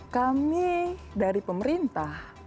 kami dari pemerintah